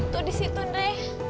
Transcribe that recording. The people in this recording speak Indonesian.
tuh di situ andre